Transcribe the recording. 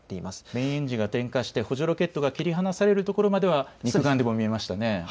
メインエンジンが点火して補助ロケットが切り離されるところまでは肉眼で見えましたよね。